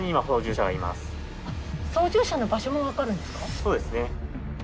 そうですね。